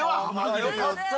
よかった。